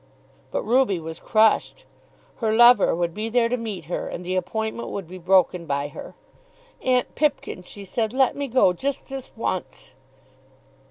But Ruby was crushed. Her lover would be there to meet her, and the appointment would be broken by her! "Aunt Pipkin," she said, "let me go just this once."